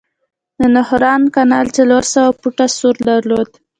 د نهروان کانال څلور سوه فوټه سور درلود.